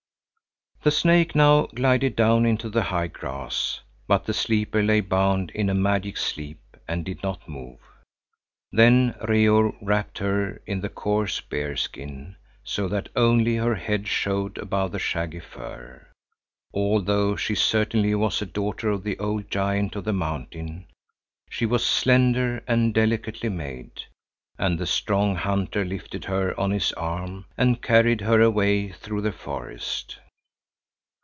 The snake now glided down into the high grass; but the sleeper lay bound in a magic sleep and did not move. Then Reor wrapped her in the coarse bear skin, so that only her head showed above the shaggy fur. Although she certainly was a daughter of the old giant of the mountain, she was slender and delicately made, and the strong hunter lifted her on his arm and carried her away through the forest.